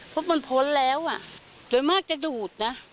เพราะมันพ้นแล้วโดยมากจะดูดนะ